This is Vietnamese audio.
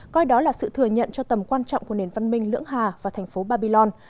coi đó là sự thừa nhận cho tầm quan trọng của nền văn minh lưỡng hà và thành phố babylon